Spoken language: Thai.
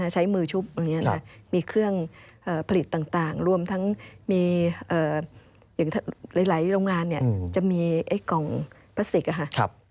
ใช้มือชุบมีเครื่องผลิตต่างรวมทั้งมีอย่างหลายโรงงานจะมีกล่องพลาสติกค่ะ